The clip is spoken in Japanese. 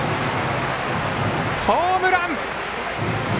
ホームラン！